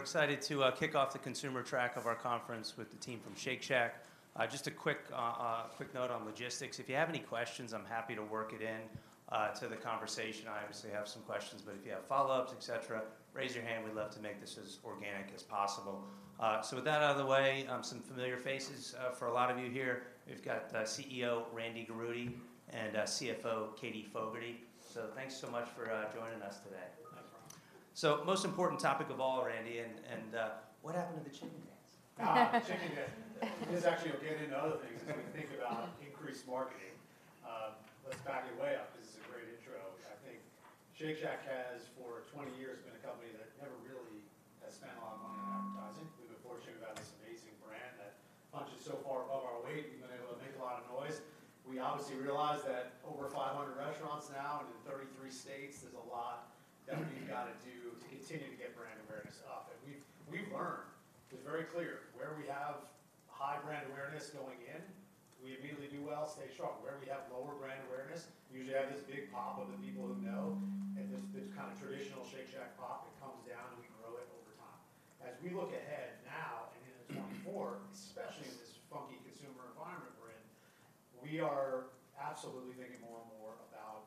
All right, we're excited to kick off the consumer track of our conference with the team from Shake Shack. Just a quick note on logistics. If you have any questions, I'm happy to work it in to the conversation. I obviously have some questions, but if you have follow-ups, et cetera, raise your hand. We'd love to make this as organic as possible. So with that out of the way, some familiar faces for a lot of you here. We've got CEO Randy Garutti and CFO Katie Fogertey. So thanks so much for joining us today. No problem. So most important topic of all, Randy, and what happened to the chicken dance? Ah, chicken dance. This actually will get into other things as we think about increased marketing. Let's back it way up, this is a great intro. I think Shake Shack has, for 20 years, been a company that never really has spent a lot of money on advertising. We've been fortunate to have this amazing brand that punches so far above our weight. We've been able to make a lot of noise. We obviously realize that over 500 restaurants now and in 33 states, there's a lot that we've got to do to continue to get brand awareness up. We've learned. It's very clear, where we have high brand awareness going in, we immediately do well, stay strong. Where we have lower brand awareness, we usually have this big pop of the people who know, and this, this kind of traditional Shake Shack pop, it comes down, and we grow it over time. As we look ahead now and into 2024, especially in this funky consumer environment we're in, we are absolutely thinking more and more about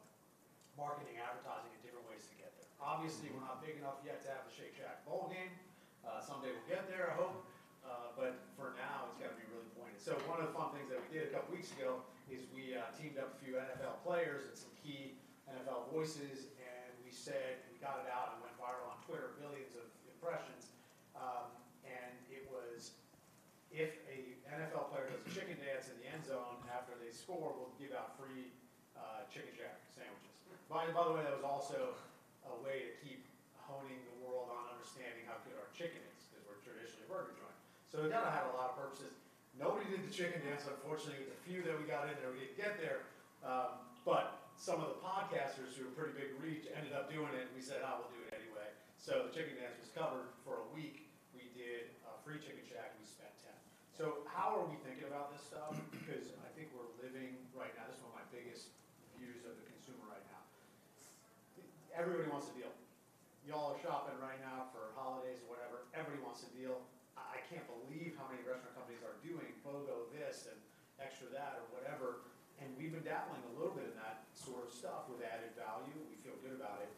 marketing, advertising, and different ways to get there. Obviously, we're not big enough yet to have a Shake Shack bowl game. Someday we'll get there, I hope, but for now, it's got to be really pointed. So one of the fun things that we did a couple weeks ago is we teamed up a few NFL players and some key NFL voices, and we said, we got it out and went viral on Twitter, millions of impressions. And it was, if an NFL player does a chicken dance in the end zone after they score, we'll give out free Chicken Shack sandwiches. By the way, that was also a way to keep honing the world on understanding how good our chicken is, 'cause we're traditionally a burger joint. So that had a lot of purposes. Nobody did the chicken dance, unfortunately, the few that we got in there, we didn't get there. But some of the podcasters, who have pretty big reach, ended up doing it, and we said, "Oh, we'll do it anyway." So the chicken dance was covered. For a week, we did a free Chicken Shack, we spent $10. So how are we thinking about this stuff? Because I think we're living... Right now, this is one of my biggest views of the consumer right now. Everybody wants a deal. Y'all are shopping right now for holidays or whatever. Everybody wants a deal. I can't believe how many restaurant companies are doing BOGO this, and extra that, or whatever, and we've been dabbling a little bit in that sort of stuff with added value, and we feel good about it.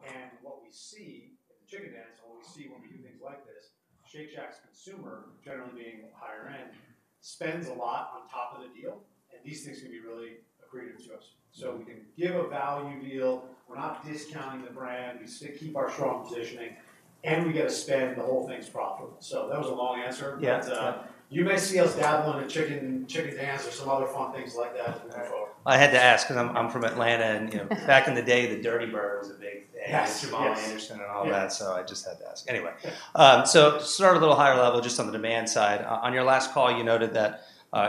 And what we see in the chicken dance, and what we see when we do things like this, Shake Shack's consumer, generally being higher end, spends a lot on top of the deal, and these things can be really accretive to us. So we can give a value deal. We're not discounting the brand. We keep our strong positioning, and we get to spend, the whole thing's profitable. So that was a long answer. Yeah, it's fine. You may see us dabbling in chicken, chicken dance or some other fun things like that as we go forward. I had to ask 'cause I'm from Atlanta, and, you know, back in the day, the Dirty Bird was a big thing. Yes, yes. Jamal Anderson and all that. Yeah. I just had to ask. Anyway- Yeah... So start a little higher level, just on the demand side. On your last call, you noted that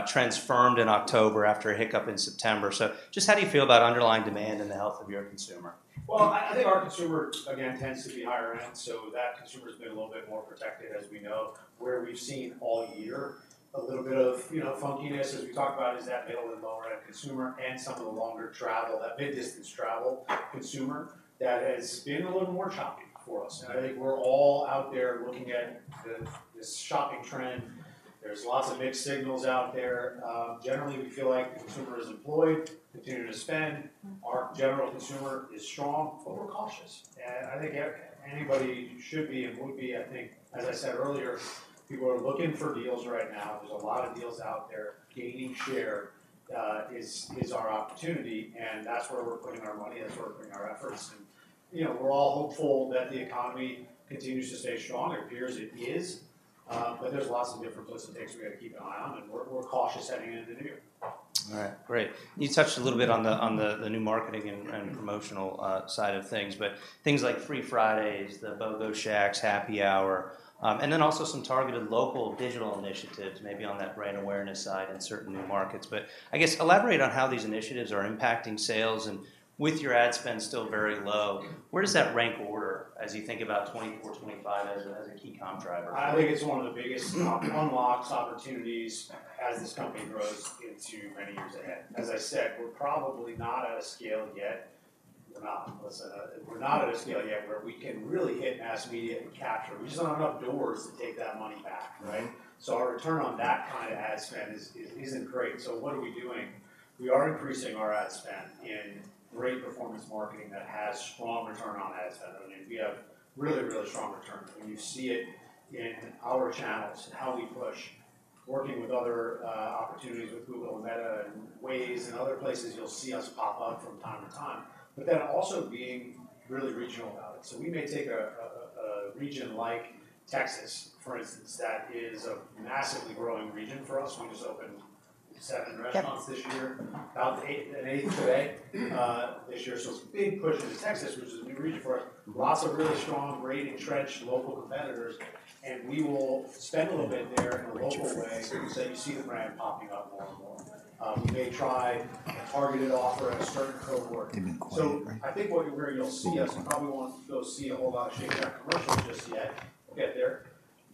trends firmed in October after a hiccup in September. Just how do you feel about underlying demand and the health of your consumer? Well, I think our consumer, again, tends to be higher end, so that consumer's been a little bit more protected, as we know. Where we've seen all year, a little bit of, you know, funkiness as we talk about, is that middle and lower end consumer and some of the longer travel, that mid-distance travel consumer, that has been a little more choppy for us. I think we're all out there looking at the, this shopping trend. There's lots of mixed signals out there. Generally, we feel like the consumer is employed, continuing to spend. Mm-hmm. Our general consumer is strong, but we're cautious, and I think everybody should be and would be. I think, as I said earlier, people are looking for deals right now. There's a lot of deals out there. Gaining share is our opportunity, and that's where we're putting our money, that's where we're putting our efforts. And, you know, we're all hopeful that the economy continues to stay strong. It appears it is, but there's lots of different twists and turns we've got to keep an eye on, and we're cautious heading into the new year. All right, great. You touched a little bit on the new marketing and promotional side of things, but things like Free Fridays, the BOGO Shacks, Happy Hour, and then also some targeted local digital initiatives, maybe on that brand awareness side in certain new markets. But I guess elaborate on how these initiatives are impacting sales, and with your ad spend still very low, where does that rank order as you think about 2024, 2025 as a key comp driver? I think it's one of the biggest unlocks, opportunities as this company grows into many years ahead. As I said, we're probably not at a scale yet. We're not at a scale yet where we can really hit mass media and capture. We just don't have enough doors to take that money back, right? So our return on that kind of ad spend is, isn't great. So what are we doing? We are increasing our ad spend in great performance marketing that has strong return on ad spend. I mean, we have really, really strong return, and you see it in our channels and how we push, working with other opportunities with Google, Meta, and Waze and other places you'll see us pop up from time to time, but then also being really regional about it. So we may take a region like Texas, for instance, that is a massively growing region for us. We just opened seven restaurants. Yeah... this year, about eight, an eighth today, this year. It's a big push into Texas, which is a new region for us. Lots of really strong, great, entrenched local competitors, and we will spend a little bit there in a local way. You see the brand popping up more and more. We may try a targeted offer, a certain code word. Mm. So I think where you'll see us, you probably won't go see a whole lot of Shake Shack commercials just yet. We'll get there....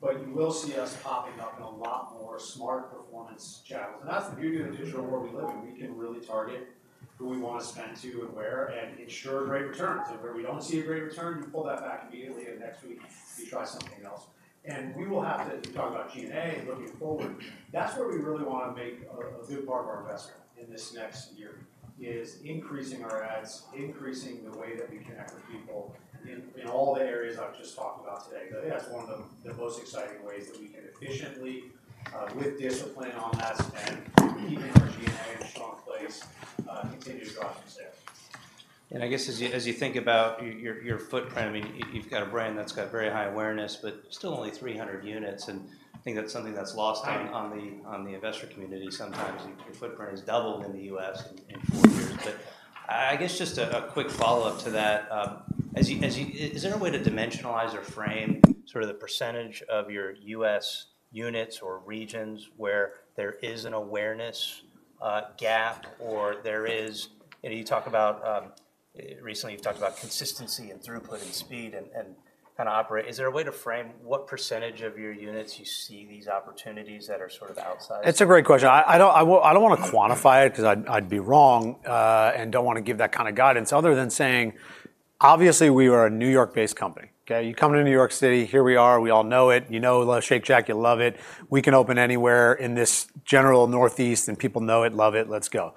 but you will see us popping up in a lot more smart performance channels. And that's the beauty of the digital world we live in. We can really target who we wanna spend to and where, and ensure a great return. So where we don't see a great return, you pull that back immediately, and next week, you try something else. And we will have to talk about G&A looking forward. That's where we really wanna make a good part of our investment in this next year, is increasing our ads, increasing the way that we connect with people in all the areas I've just talked about today. That's one of the, the most exciting ways that we can efficiently, with discipline on that spend, keeping our G&A in a strong place, continue to drive the sales. I guess as you think about your footprint, I mean, you've got a brand that's got very high awareness, but still only 300 units, and I think that's something that's lost on the investor community. Sometimes your footprint has doubled in the U.S. in four years. But I guess just a quick follow-up to that. Is there a way to dimensionalize or frame sort of the percentage of your U.S. units or regions where there is an awareness gap, or there is... You know, you talk about recently, you've talked about consistency and throughput and speed and kinda operate. Is there a way to frame what percentage of your units you see these opportunities that are sort of outside? It's a great question. I don't wanna quantify it 'cause I'd be wrong, and don't wanna give that kind of guidance other than saying: Obviously, we are a New York-based company, okay? You come to New York City, here we are, we all know it. You know Shake Shack, you love it. We can open anywhere in this general Northeast, and people know it, love it, let's go.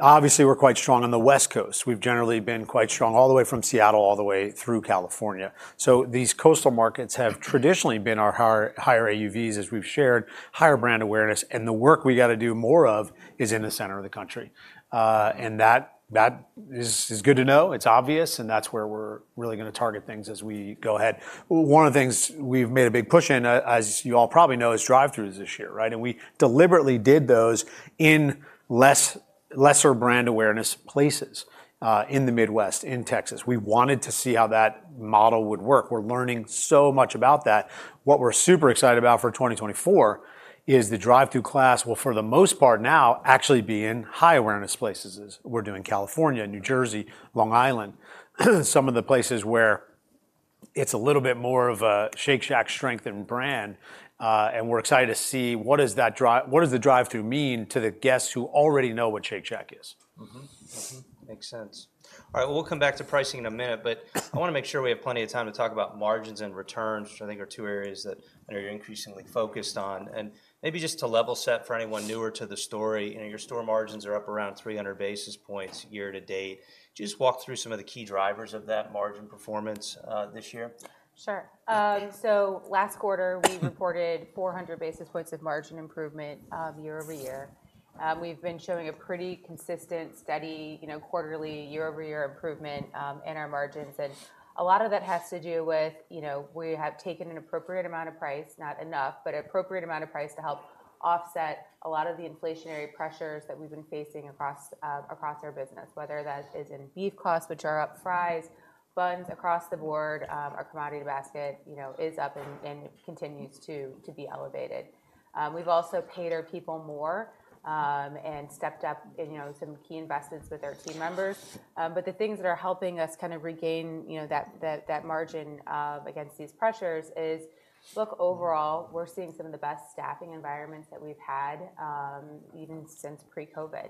Obviously, we're quite strong on the West Coast. We've generally been quite strong all the way from Seattle, all the way through California. So these coastal markets have traditionally been our higher AUVs, as we've shared, higher brand awareness, and the work we gotta do more of is in the center of the country. And that is good to know. It's obvious, and that's where we're really gonna target things as we go ahead. One of the things we've made a big push in, as you all probably know, is drive-throughs this year, right? And we deliberately did those in lesser brand awareness places, in the Midwest, in Texas. We wanted to see how that model would work. We're learning so much about that. What we're super excited about for 2024 is the drive-through Shacks will, for the most part now, actually be in high awareness places, as we're doing California, New Jersey, Long Island, some of the places where it's a little bit more of a Shake Shack strength and brand. And we're excited to see what the drive-through means to the guests who already know what Shake Shack is? Mm-hmm. Mm-hmm. Makes sense. All right, we'll come back to pricing in a minute, but I wanna make sure we have plenty of time to talk about margins and returns, which I think are two areas that I know you're increasingly focused on. Maybe just to level set for anyone newer to the story, you know, your store margins are up around 300 basis points year to date. Just walk through some of the key drivers of that margin performance this year. Sure. So last quarter, we reported 400 basis points of margin improvement, year-over-year. We've been showing a pretty consistent, steady, you know, quarterly, year-over-year improvement in our margins, and a lot of that has to do with, you know, we have taken an appropriate amount of price, not enough, but appropriate amount of price to help offset a lot of the inflationary pressures that we've been facing across our business, whether that is in beef costs, which are up, fries, buns across the board. Our commodity basket, you know, is up and continues to be elevated. We've also paid our people more and stepped up in, you know, some key investments with our team members. But the things that are helping us kind of regain, you know, that margin against these pressures is. Look, overall, we're seeing some of the best staffing environments that we've had, even since pre-COVID.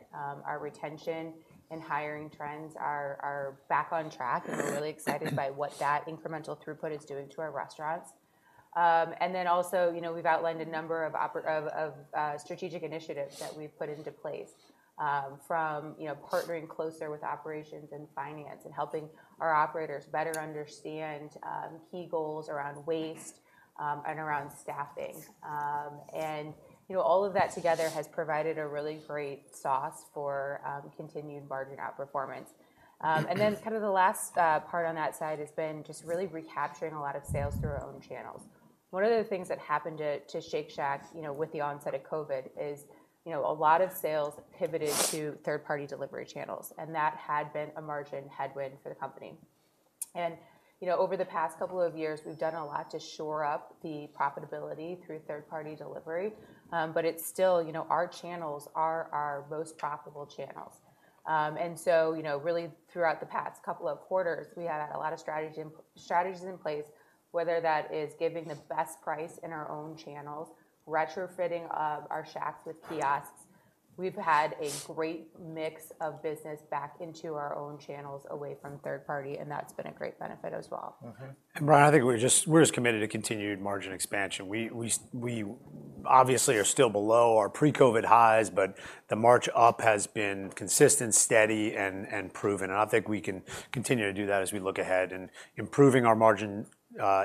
Our retention and hiring trends are back on track, and we're really excited by what that incremental throughput is doing to our restaurants. And then also, you know, we've outlined a number of strategic initiatives that we've put into place, from, you know, partnering closer with operations and finance and helping our operators better understand key goals around waste, and around staffing. And, you know, all of that together has provided a really great sauce for continued margin outperformance. And then kind of the last part on that side has been just really recapturing a lot of sales through our own channels. One of the things that happened to Shake Shack, you know, with the onset of COVID is, you know, a lot of sales pivoted to third-party delivery channels, and that had been a margin headwind for the company. And, you know, over the past couple of years, we've done a lot to shore up the profitability through third-party delivery, but it's still, you know, our channels are our most profitable channels. And so, you know, really throughout the past couple of quarters, we had a lot of strategy, strategies in place, whether that is giving the best price in our own channels, retrofitting of our Shacks with kiosks. We've had a great mix of business back into our own channels away from third-party, and that's been a great benefit as well. Mm-hmm. And Brian, I think we're just, we're as committed to continued margin expansion. We obviously are still below our pre-COVID highs, but the march up has been consistent, steady, and proven, and I think we can continue to do that as we look ahead. And improving our margin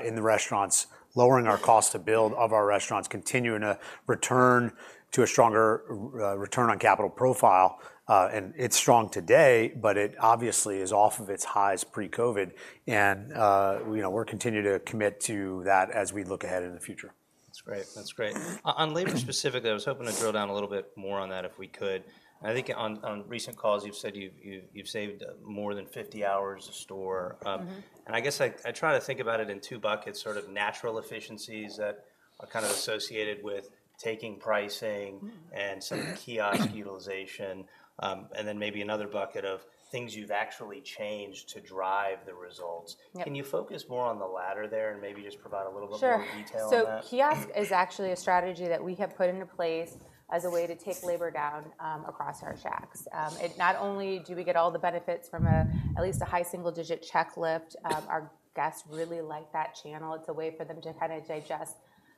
in the restaurants, lowering our cost to build of our restaurants, continuing to return to a stronger return on capital profile, and it's strong today, but it obviously is off of its highs pre-COVID. And, you know, we're continuing to commit to that as we look ahead in the future.... That's great. That's great. On labor specifically, I was hoping to drill down a little bit more on that if we could. I think on recent calls, you've said you've saved more than 50 hours a store. Mm-hmm. and I guess I try to think about it in two buckets, sort of natural efficiencies that are kind of associated with taking pricing- Mm-hmm. and some kiosk utilization, and then maybe another bucket of things you've actually changed to drive the results. Yeah. Can you focus more on the latter there and maybe just provide a little bit more detail on that? Sure. So kiosk is actually a strategy that we have put into place as a way to take labor down, across our Shacks. It not only do we get all the benefits from a, at least a high single-digit check lift, our guests really like that channel. It's a way for them to kinda digest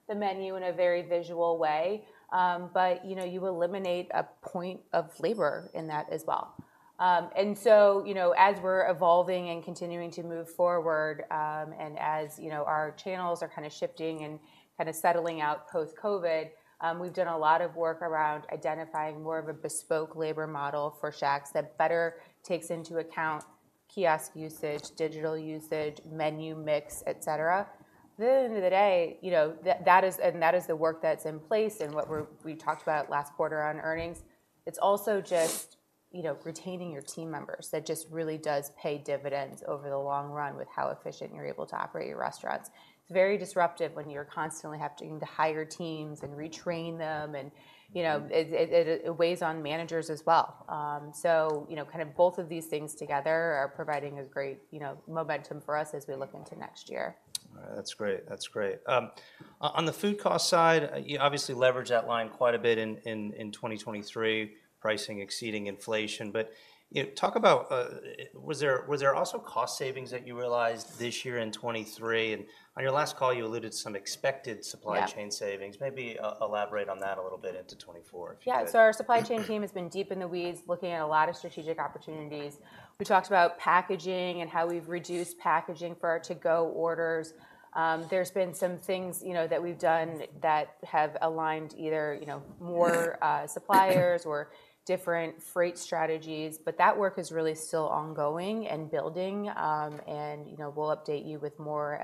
the menu in a very visual way. But, you know, you eliminate a point of labor in that as well. And so, you know, as we're evolving and continuing to move forward, and as, you know, our channels are kind of shifting and kind of settling out post-COVID, we've done a lot of work around identifying more of a bespoke labor model for Shacks that better takes into account kiosk usage, digital usage, menu mix, et cetera. At the end of the day, you know, that is the work that's in place and what we talked about last quarter on earnings. It's also just, you know, retaining your team members. That just really does pay dividends over the long run with how efficient you're able to operate your restaurants. It's very disruptive when you're constantly having to hire teams and retrain them, and, you know, it weighs on managers as well. So, you know, kind of both of these things together are providing a great, you know, momentum for us as we look into next year. All right. That's great. That's great. On the food cost side, you obviously leveraged that line quite a bit in 2023, pricing exceeding inflation. But, you know, talk about, was there, were there also cost savings that you realized this year in 2023? And on your last call, you alluded to some expected- Yeah... supply chain savings. Maybe elaborate on that a little bit into 2024, if you could. Yeah. So our supply chain team has been deep in the weeds, looking at a lot of strategic opportunities. We talked about packaging and how we've reduced packaging for our to-go orders. There's been some things, you know, that we've done that have aligned either, you know, more suppliers or different freight strategies, but that work is really still ongoing and building. And, you know, we'll update you with more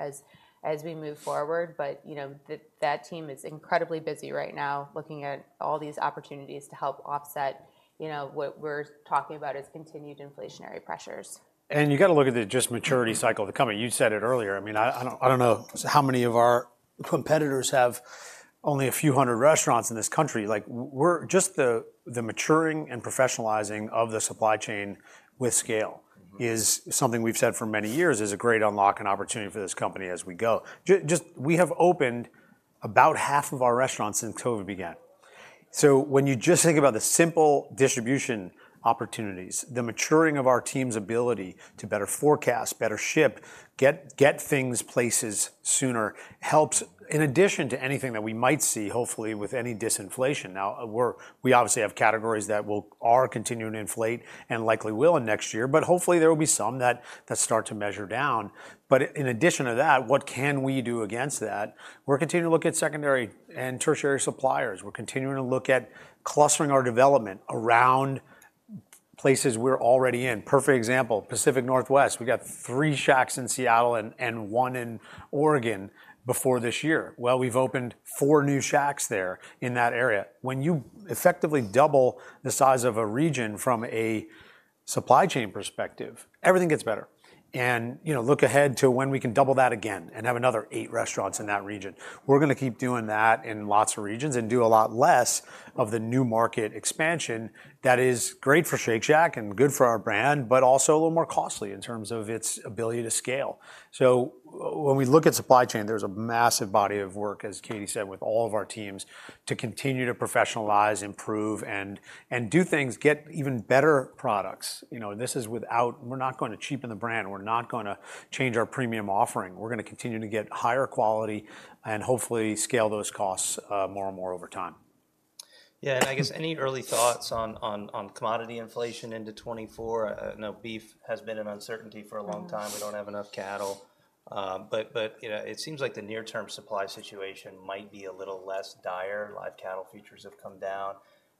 as we move forward. But, you know, that team is incredibly busy right now, looking at all these opportunities to help offset, you know, what we're talking about as continued inflationary pressures. You got to look at the just maturity cycle of the company. You said it earlier. I mean, I don't know how many of our competitors have only a few hundred restaurants in this country. Like, we're just the maturing and professionalizing of the supply chain with scale- Mm-hmm... is something we've said for many years is a great unlock and opportunity for this company as we go. Just we have opened about half of our restaurants since COVID began. So when you just think about the simple distribution opportunities, the maturing of our team's ability to better forecast, better ship, get things places sooner, helps, in addition to anything that we might see, hopefully, with any disinflation. Now, we obviously have categories that are continuing to inflate and likely will in next year, but hopefully, there will be some that start to measure down. But in addition to that, what can we do against that? We're continuing to look at secondary and tertiary suppliers. We're continuing to look at clustering our development around places we're already in. Perfect example, Pacific Northwest. We got three Shacks in Seattle and one in Oregon before this year. Well, we've opened four new Shacks there in that area. When you effectively double the size of a region from a supply chain perspective, everything gets better. And, you know, look ahead to when we can double that again and have another 8 restaurants in that region. We're gonna keep doing that in lots of regions and do a lot less of the new market expansion. That is great for Shake Shack and good for our brand, but also a little more costly in terms of its ability to scale. So when we look at supply chain, there's a massive body of work, as Katie said, with all of our teams, to continue to professionalize, improve, and do things, get even better products. You know, and this is without... We're not going to cheapen the brand. We're not gonna change our premium offering. We're gonna continue to get higher quality and hopefully scale those costs, more and more over time. Yeah, and I guess any early thoughts on commodity inflation into 2024? I know beef has been an uncertainty for a long time. Mm. We don't have enough cattle. But you know, it seems like the near-term supply situation might be a little less dire. Live cattle futures have come down.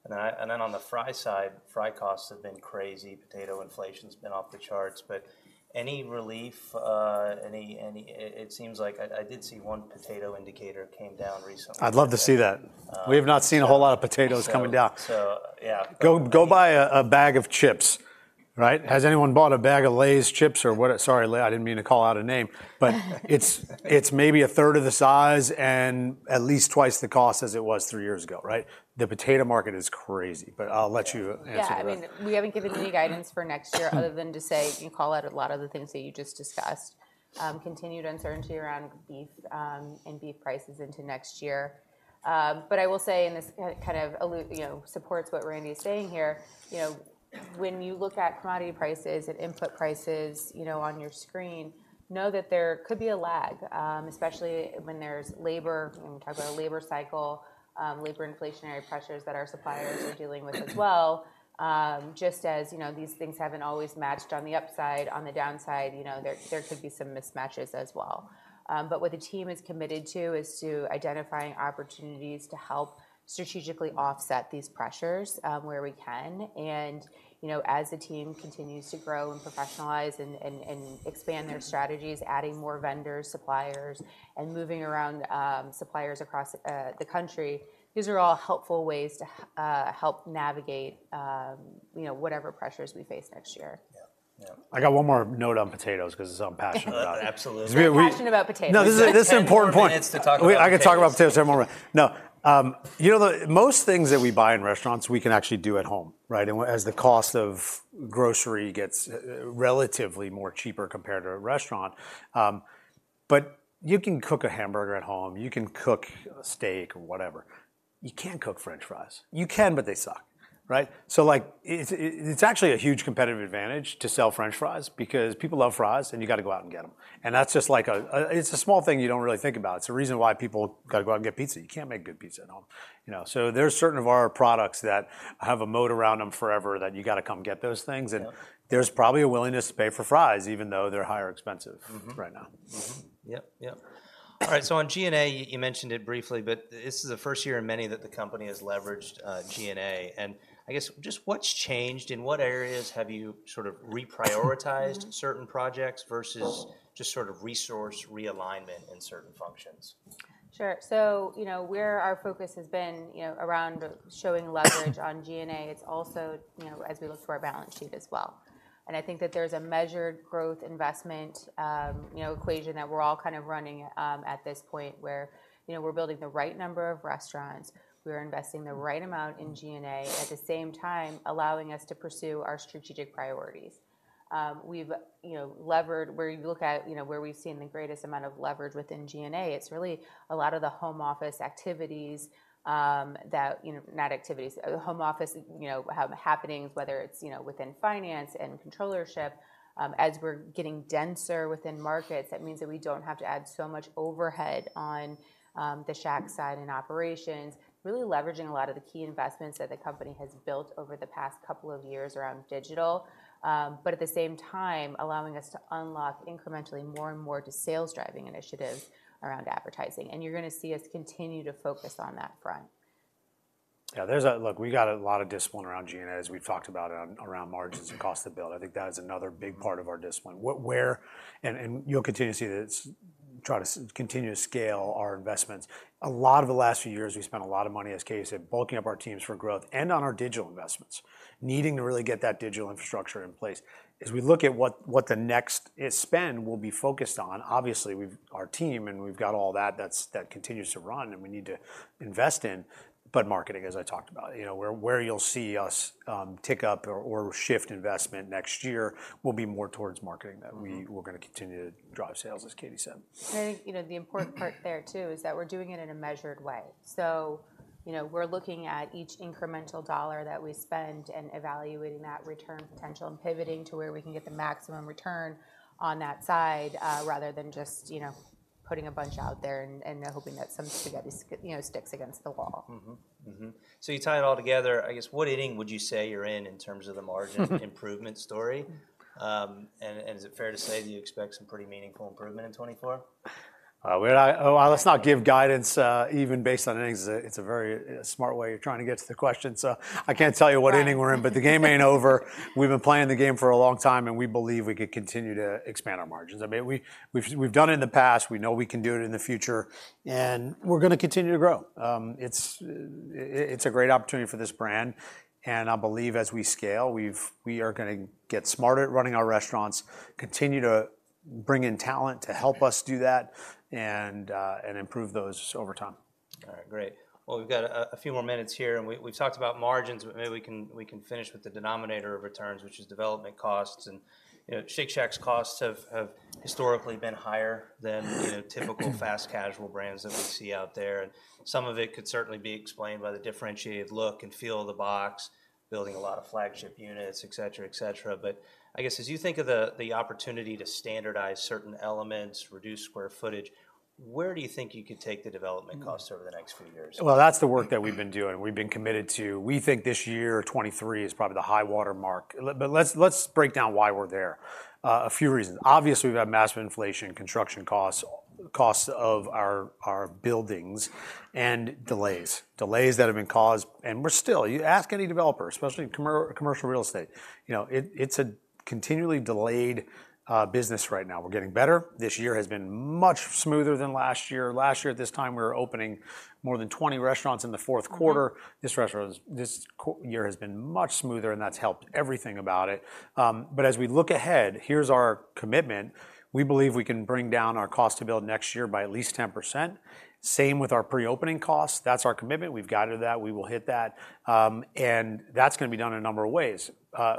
And then on the fry side, fry costs have been crazy. Potato inflation's been off the charts. But any relief... It seems like I did see one potato indicator came down recently. I'd love to see that. Um, so- We have not seen a whole lot of potatoes coming down. So, yeah. Go buy a bag of chips, right? Has anyone bought a bag of Lay's chips or what? Sorry, Lay's. I didn't mean to call out a name. But it's maybe a third of the size and at least twice the cost as it was three years ago, right? The potato market is crazy, but I'll let you answer the rest. Yeah, I mean, we haven't given any guidance for next year other than to say and call out a lot of the things that you just discussed, continued uncertainty around beef and beef prices into next year. But I will say, and this kind of alludes, you know, supports what Randy is saying here, you know, when you look at commodity prices and input prices, you know, on your screen, you know that there could be a lag, especially when there's labor, when we talk about a labor cycle, labor inflationary pressures that our suppliers are dealing with as well. Just as, you know, these things haven't always matched on the upside, on the downside, you know, there could be some mismatches as well. But what the team is committed to is to identifying opportunities to help strategically offset these pressures, where we can. And, you know, as the team continues to grow and professionalize and expand their strategies, adding more vendors, suppliers, and moving around suppliers across the country, these are all helpful ways to help navigate, you know, whatever pressures we face next year. Yeah.... I got one more note on potatoes, 'cause I'm passionate about it. Absolutely. You're passionate about potatoes. No, this is, this is an important point. 10 more minutes to talk about potatoes. I can talk about potatoes for more minute. No, you know, the most things that we buy in restaurants, we can actually do at home, right? And as the cost of grocery gets, relatively more cheaper compared to a restaurant, but you can cook a hamburger at home, you can cook a steak or whatever. You can't cook french fries. You can, but they suck, right? So like, it's actually a huge competitive advantage to sell french fries because people love fries, and you gotta go out and get 'em. And that's just like it's a small thing you don't really think about. It's a reason why people gotta go out and get pizza. You can't make good pizza at home, you know. So there are certain of our products that have a moat around them forever, that you gotta come get those things- Yeah. and there's probably a willingness to pay for fries, even though they're higher expensive. Mm-hmm. - right now. Mm-hmm. Yep. Yep. All right, so on G&A, you mentioned it briefly, but this is the first year in many that the company has leveraged G&A. And I guess just what's changed, in what areas have you sort of reprioritized- Mm-hmm. - certain projects, versus just sort of resource realignment in certain functions? Sure. So, you know, where our focus has been, you know, around showing leverage on G&A, it's also, you know, as we look to our balance sheet as well. I think that there's a measured growth investment, you know, equation that we're all kind of running, at this point, where, you know, we're building the right number of restaurants, we are investing the right amount in G&A, at the same time allowing us to pursue our strategic priorities. We've, you know, levered where you look at, you know, where we've seen the greatest amount of leverage within G&A, it's really a lot of the home office activities, that, you know, not activities, the home office, you know, have happenings, whether it's, you know, within finance and controllership. As we're getting denser within markets, that means that we don't have to add so much overhead on the Shack side and operations. Really leveraging a lot of the key investments that the company has built over the past couple of years around digital. But at the same time, allowing us to unlock incrementally more and more to sales-driving initiatives around advertising. And you're gonna see us continue to focus on that front. Yeah, there's a look, we got a lot of discipline around G&A, as we've talked about, around margins and cost to build. I think that is another big part of our discipline. You'll continue to see this, try to continue to scale our investments. A lot of the last few years, we spent a lot of money, as Katie said, bulking up our teams for growth and on our digital investments, needing to really get that digital infrastructure in place. As we look at what the next spend will be focused on, obviously, we've our team, and we've got all that, that's, that continues to run and we need to invest in, but marketing, as I talked about. You know, where you'll see us tick up or shift investment next year, will be more towards marketing. Mm-hmm. That we're gonna continue to drive sales, as Katie said. I think, you know, the important part there, too, is that we're doing it in a measured way. So, you know, we're looking at each incremental dollar that we spend and evaluating that return potential, and pivoting to where we can get the maximum return on that side, rather than just, you know, putting a bunch out there and hoping that some spaghetti, you know, sticks against the wall. Mm-hmm. Mm-hmm. So you tie it all together, I guess, what inning would you say you're in, in terms of the margin improvement story? And, and is it fair to say that you expect some pretty meaningful improvement in 2024? Well, let's not give guidance, even based on innings. It's a very smart way of trying to get to the question, so I can't tell you what inning we're in, but the game ain't over. We've been playing the game for a long time, and we believe we can continue to expand our margins. I mean, we've done it in the past, we know we can do it in the future, and we're gonna continue to grow. It's a great opportunity for this brand, and I believe as we scale, we are gonna get smarter at running our restaurants, continue to bring in talent to help us do that, and improve those over time. All right, great. Well, we've got a few more minutes here, and we've talked about margins, but maybe we can finish with the denominator of returns, which is development costs. And, you know, Shake Shack's costs have historically been higher than... you know, typical fast casual brands that we see out there. And some of it could certainly be explained by the differentiated look and feel of the box, building a lot of flagship units, et cetera, et cetera. But I guess, as you think of the opportunity to standardize certain elements, reduce square footage, where do you think you could take the development costs over the next few years? Well, that's the work that we've been doing. We've been committed to... We think this year, 2023, is probably the high water mark. But let's, let's break down why we're there. A few reasons. Obviously, we've had massive inflation in construction costs, costs of our, our buildings, and delays, delays that have been caused... And we're still, you ask any developer, especially in commercial real estate, you know, it, it's a continually delayed business right now. We're getting better. This year has been much smoother than last year. Last year, at this time, we were opening more than 20 restaurants in the fourth quarter. Mm-hmm. This quarter has been much smoother, and that's helped everything about it. But as we look ahead, here's our commitment: We believe we can bring down our cost to build next year by at least 10%. Same with our pre-opening costs. That's our commitment. We've guided that. We will hit that. And that's gonna be done in a number of ways.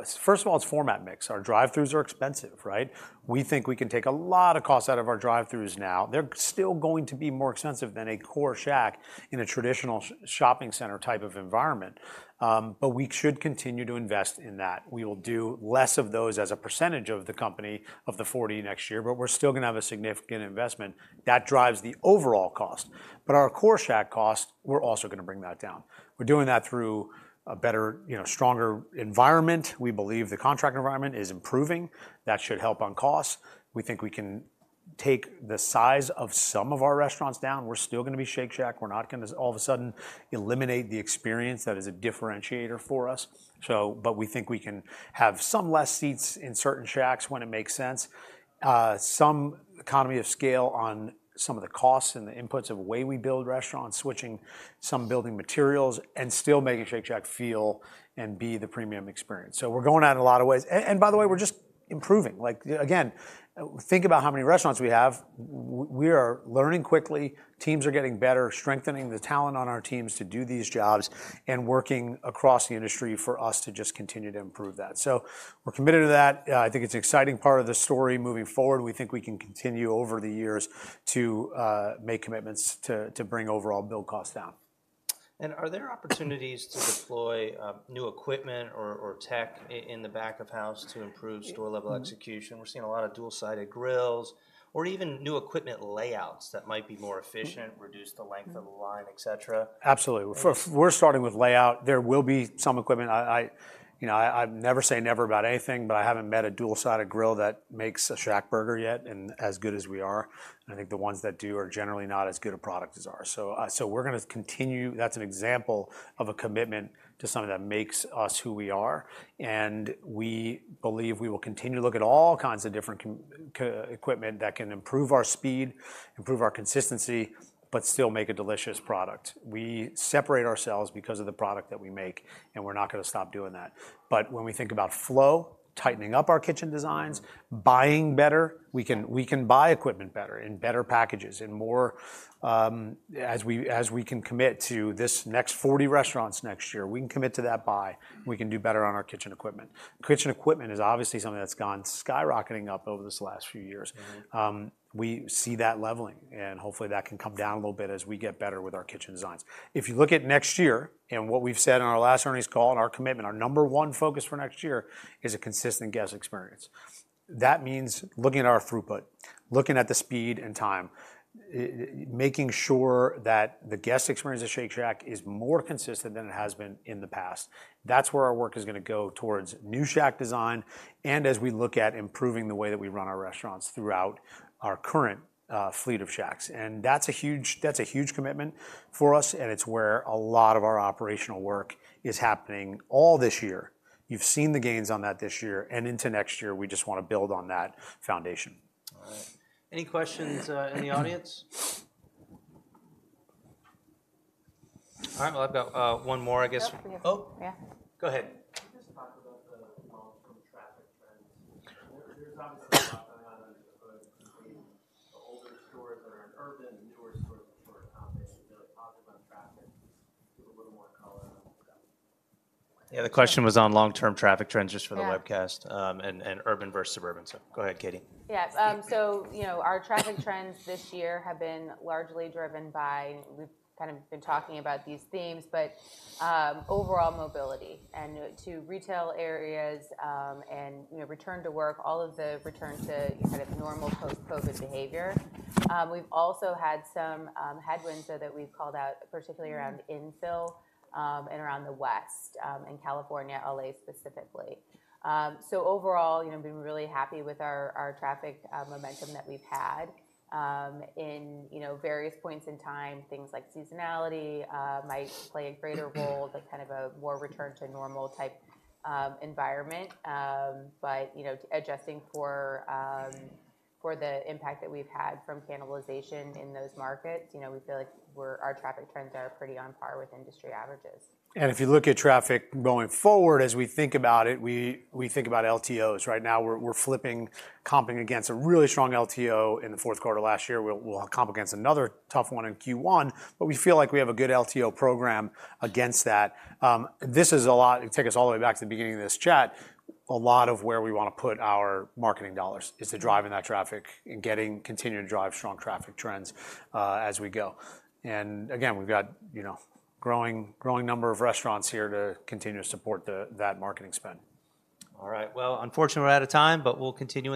First of all, it's format mix. Our drive-throughs are expensive, right? We think we can take a lot of cost out of our drive-throughs now. They're still going to be more expensive than a core Shack in a traditional shopping center type of environment, but we should continue to invest in that. We will do less of those as a percentage of the company of the 40 next year, but we're still gonna have a significant investment. That drives the overall cost. But our core Shack cost, we're also gonna bring that down. We're doing that through a better, you know, stronger environment. We believe the contract environment is improving. That should help on costs. We think we can take the size of some of our restaurants down. We're still gonna be Shake Shack. We're not gonna just all of a sudden eliminate the experience that is a differentiator for us. So, but we think we can have some less seats in certain Shacks when it makes sense. Some economy of scale on some of the costs and the inputs of the way we build restaurants, switching some building materials, and still making Shake Shack feel and be the premium experience. So we're going at it in a lot of ways. And by the way, we're just improving. Like, again, think about how many restaurants we have. We are learning quickly, teams are getting better, strengthening the talent on our teams to do these jobs, and working across the industry for us to just continue to improve that. So we're committed to that. I think it's an exciting part of the story moving forward. We think we can continue over the years to make commitments to bring overall build costs down. Are there opportunities to deploy new equipment or tech in the back of house to improve store-level execution? We're seeing a lot of dual-sided grills or even new equipment layouts that might be more efficient, reduce the length of the line, et cetera. Absolutely. For we're starting with layout. There will be some equipment. You know, I never say never about anything, but I haven't met a dual-sided grill that makes a ShackBurger yet, and as good as we are. And I think the ones that do are generally not as good a product as ours. So, so we're gonna continue. That's an example of a commitment to something that makes us who we are, and we believe we will continue to look at all kinds of different equipment that can improve our speed, improve our consistency, but still make a delicious product. We separate ourselves because of the product that we make, and we're not gonna stop doing that. But when we think about flow, tightening up our kitchen designs, buying better, we can, we can buy equipment better, in better packages, in more. As we can commit to this next 40 restaurants next year, we can commit to that buy, and we can do better on our kitchen equipment. Kitchen equipment is obviously something that's gone skyrocketing up over this last few years. Mm-hmm. We see that leveling, and hopefully, that can come down a little bit as we get better with our kitchen designs. If you look at next year, and what we've said on our last earnings call and our commitment, our number one focus for next year is a consistent guest experience. That means looking at our throughput, looking at the speed and time, making sure that the guest experience at Shake Shack is more consistent than it has been in the past. That's where our work is gonna go towards new Shack design, and as we look at improving the way that we run our restaurants throughout our current fleet of Shacks. That's a huge, that's a huge commitment for us, and it's where a lot of our operational work is happening all this year. You've seen the gains on that this year and into next year. We just wanna build on that foundation. All right. Any questions in the audience? All right, well, I've got one more, I guess. Yep, we do. Oh! Yeah. Go ahead. Can you just talk about the long-term traffic trends? There's obviously a lot between the older stores that are in urban, and newer stores that are out there. Really positive on traffic. Give a little more color on that. Yeah, the question was on long-term traffic trends, just for the- Yeah... webcast, and urban versus suburban. So go ahead, Katie. Yeah, so, you know, our traffic trends this year have been largely driven by, we've kind of been talking about these themes, but, overall mobility and to retail areas, and, you know, return to work, all of the return to kind of normal post-COVID behavior. We've also had some headwinds, though, that we've called out, particularly around infill and around the west, in California, L.A. specifically. So overall, you know, we've been really happy with our, our traffic momentum that we've had. In, you know, various points in time, things like seasonality might play a greater role than kind of a more return to normal type environment. But, you know, adjusting for the impact that we've had from cannibalization in those markets, you know, we feel like we're, our traffic trends are pretty on par with industry averages. And if you look at traffic going forward, as we think about it, we think about LTOs. Right now, we're flipping, comping against a really strong LTO in the fourth quarter of last year. We'll comp against another tough one in Q1, but we feel like we have a good LTO program against that. This is a lot. It take us all the way back to the beginning of this chat. A lot of where we wanna put our marketing dollars is to driving that traffic and continue to drive strong traffic trends, as we go. And again, we've got, you know, growing number of restaurants here to continue to support that marketing spend. All right. Well, unfortunately, we're out of time, but we'll continue in the-